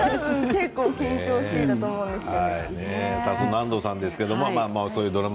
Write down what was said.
結構緊張しいだと思うんですよ。